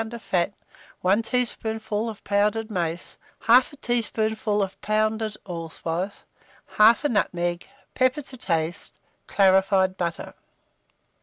of fat, 1 teaspoonful of pounded mace, 1/2 teaspoonful of pounded allspice, 1/2 nutmeg, pepper to taste, clarified butter.